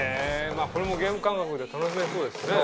これもゲーム感覚で楽しめそうですね。